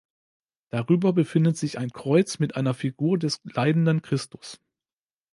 Darüber befindet sich ein Kreuz mit einer Figur des leidenden Christus.